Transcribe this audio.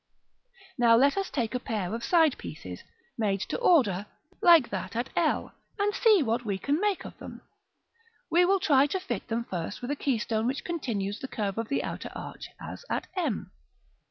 Now let us take a pair of side pieces, made to order, like that at l, and see what we can make of them. We will try to fit them first with a keystone which continues the curve of the outer arch, as at m.